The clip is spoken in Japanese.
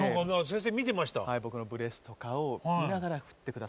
僕のブレスとかを見ながら振って下さって。